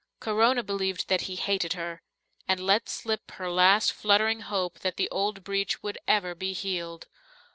Corona believed that he hated her, and let slip her last fluttering hope that the old breach would ever be healed.